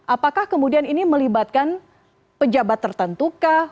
apakah kemudian ini melibatkan pejabat tertentu kah